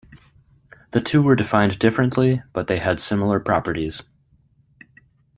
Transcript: The two were defined differently, but they had similar properties.